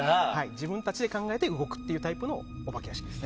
自分たちで考えて動くというタイプのお化け屋敷です。